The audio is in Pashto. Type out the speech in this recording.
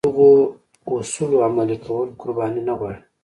د دغو اصولو عملي کول قرباني نه غواړي.